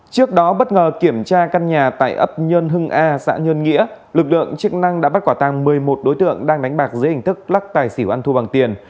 trước đó bất ngờ kiểm tra căn nhà tại ấp nhơn hưng a xã nhơn nghĩa lực lượng chức năng đã bắt quả tăng một mươi một đối tượng đang đánh bạc dưới hình thức lắc tài xỉu ăn thua bằng tiền